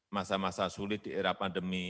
masa masa sulit di era pandemi